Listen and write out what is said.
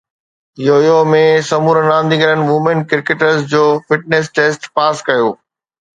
U yo ۾ سمورن رانديگرن women cricketers جو فٽنيس ٽيسٽ پاس ڪيو